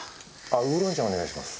ウーロン茶お願いします。